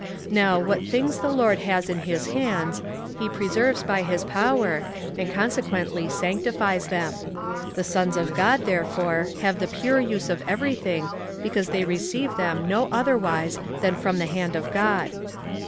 Now, what things the Lord has in his hands, he preserves by his power, and consequently sanctifies them. The sous of God, therefore, have the pure use of everything, because they receive them no otherwise than from the hand of God.